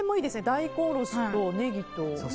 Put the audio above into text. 大根おろしとネギと。